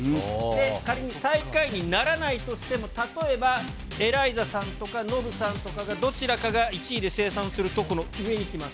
仮に最下位にならないとしても、例えばエライザさんとか、ノブさんとか、どちらかが１位で精算すると、この上に来ます。